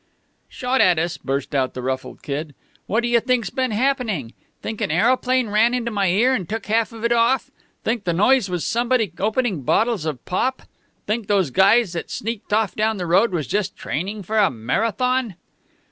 "Shot at us!" burst out the ruffled Kid. "What do you think's been happening? Think an aeroplane ran into my ear and took half of it off? Think the noise was somebody opening bottles of pop? Think those guys that sneaked off down the road was just training for a Marathon?"